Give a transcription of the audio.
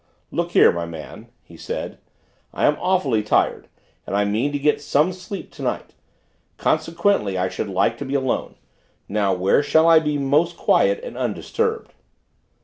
"Look here, my man," he said, "I am awfully tired, and I mean to get some sleep to night; consequently I should like to be alone. Now where shall I be most quiet and undisturbed?"